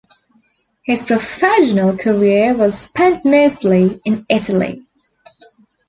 His professional career was spent mostly in Italy.